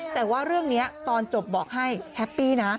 แต่ว่าเรื่องนี้ตอนจบบอกให้แฮปปี้นะ